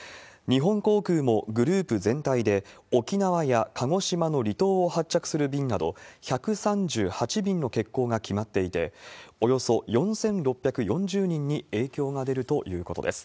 日本航空もグループ全体で、沖縄や鹿児島の離島を発着する便など、１３８便の欠航が決まっていて、およそ４６４０人に影響が出るということです。